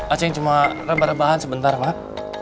aceh cuma rebahan rebahan sebentar mak